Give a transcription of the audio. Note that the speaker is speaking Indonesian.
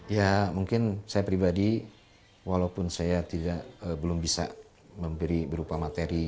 ya mungkin saya pribadi walaupun saya belum bisa memberi berupa materi